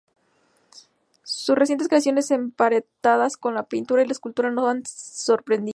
Sus recientes creaciones emparentadas con la pintura y la escultura no nos han sorprendido.